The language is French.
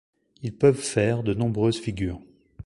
Ils peuvent faire de nombreuses figures.